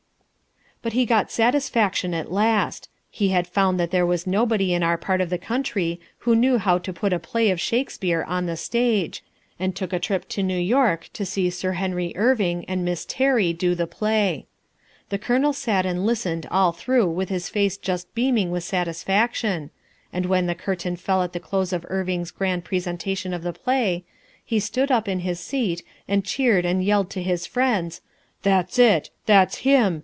But he got satisfaction at last. He had found that there was nobody in our part of the country who knew how to put a play of Shakespeare on the stage, and took a trip to New York to see Sir Henry Irving and Miss Terry do the play. The Colonel sat and listened all through with his face just beaming with satisfaction, and when the curtain fell at the close of Irving's grand presentation of the play, he stood up in his seat, and cheered and yelled to his friends: "That's it! That's him!